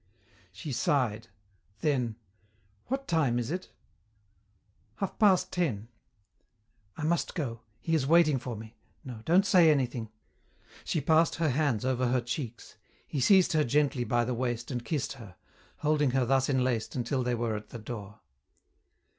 She sighed. Then, "What time is it?" "Half past ten." "I must go. He is waiting for me. No, don't say anything " She passed her hands over her cheeks. He seized her gently by the waist and kissed her, holding her thus enlaced until they were at the door.